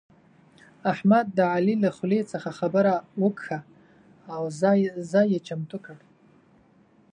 احمد د علي له خولې څخه خبره وکښه او ځای يې چمتو کړ.